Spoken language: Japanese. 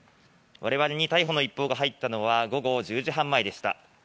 我々に逮捕の一報が入ったのは午後１０時半前でした。